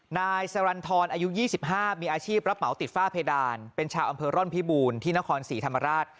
นายสรรทรอายุ๒๕มีอาชีพรับเหมาติดฝ้าเพดานเป็นชาวอำเภอร่อนพิบูรณ์ที่นครศรีธรรมราช